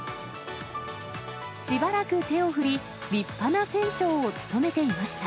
しばらく手を振り、立派な船長を務めていました。